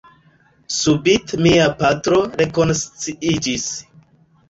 Subite mia patro rekonsciiĝis.